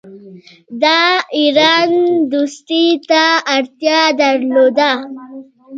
د ایران دوستی ته اړتیا درلوده.